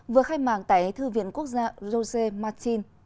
vừa khai mạng tại thư viện quốc gia josé martín